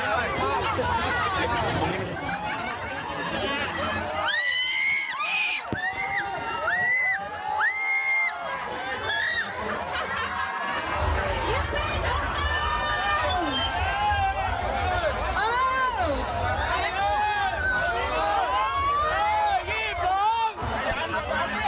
มาเก็บจุดต่อไป